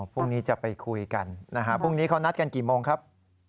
พรุ่งนี้จะไปคุยกันนะฮะพรุ่งนี้เขานัดกันกี่โมงครับ